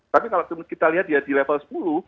tapi kalau kita lihat ya di level sepuluh